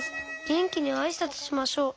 げんきにあいさつしましょう。